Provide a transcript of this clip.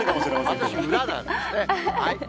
私、裏なんですね。